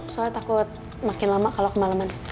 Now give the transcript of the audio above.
soalnya takut makin lama kalau kemaleman